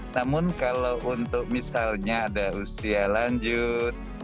namun kalau untuk misalnya ada usia lanjut